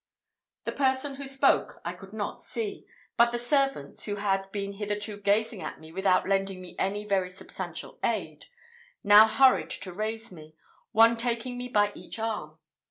The person who spoke I could not see; but the servants, who had been hitherto gazing at me without lending me any very substantial aid, now hurried to raise me, one taking me by each arm.